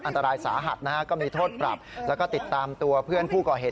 หรอครับมองหน้ากันด้วยสิเวลาจับมือจับมือยิ้มยิ้ม